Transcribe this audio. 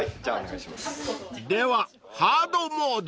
［ではハードモード］